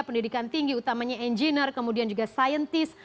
pendidikan tinggi utamanya engineer kemudian juga saintis